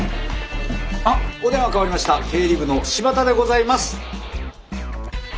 あっお電話代わりました経理部の新発田でございます。